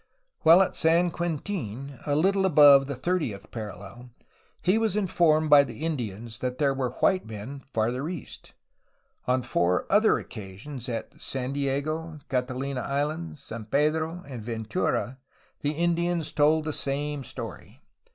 While at San Quentin, a little above the 30th parallel, he was informed by the Indians that there were white men farther east. On four other occasions, at San Diego, Catalina Island, San Pedro, and Ventura, the Indians told the same story.